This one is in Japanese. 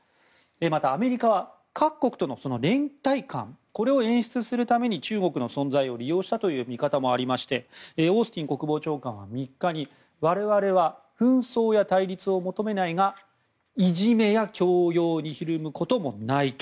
また、アメリカは各国との連帯感を演出するために中国の存在を利用したという見方もありましてオースティン国防長官は３日に我々は紛争や対立を求めないがいじめや強要にひるむこともないと。